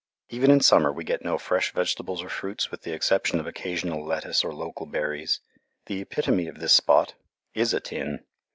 Even in summer we get no fresh vegetables or fruits with the exception of occasional lettuce or local berries. The epitome of this spot is a tin!